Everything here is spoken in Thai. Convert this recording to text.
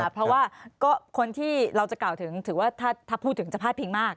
เพราะว่าคนที่เราจะกล่าวถึงถือว่าถ้าพูดถึงจะพาดพิงมาก